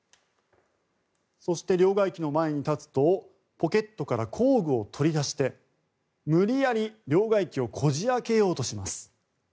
そして、両替機の前に立つとポケットから工具を取り出して無理やり両替機をこじ開けようとします。